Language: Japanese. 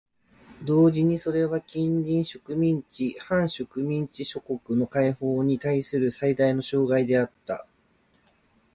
同時にそれは近隣植民地・半植民地諸国の解放にたいする最大の障害であった。